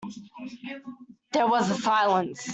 There was a silence.